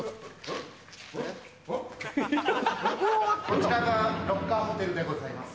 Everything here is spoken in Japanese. こちらがロッカーホテルでございます。